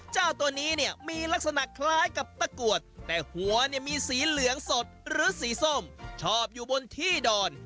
เจ้าตัวนี้เนี่ยมีลักษณะคล้ายกับตะกรวดแต่หัวเนี่ยมีสีเหลืองสดหรือสีส้มชอบอยู่บนที่ดอน